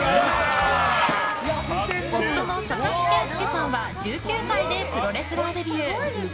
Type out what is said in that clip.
夫の佐々木健介さんは１９歳でプロレスラーデビュー。